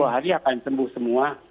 sepuluh hari akan sembuh semua